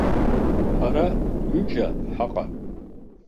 Ҳара ҩыџьа ҳаҟан.